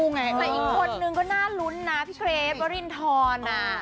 สำหรับอีกคนนึงก็น่ารุ้นนนะพี่เทศการินทรน่า